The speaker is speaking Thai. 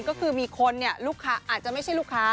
ก็คือมีคนเนี่ยลูกค้าอาจจะไม่ใช่ลูกค้า